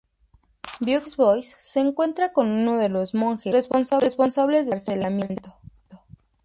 Vieux Bois se encuentra con uno de los monjes responsables de su encarcelamiento.